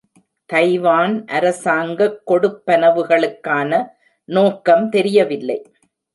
Taiwan அரசாங்கக் கொடுப்பனவுகளுக்கான நோக்கம் தெரியவில்லை.